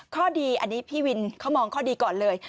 ข้อดีอันนี้พี่วินเขามองข้อดีก่อนเลย